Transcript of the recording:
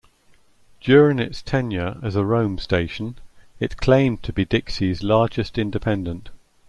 During its tenure as a Rome station, it claimed to be Dixie's Largest Independent.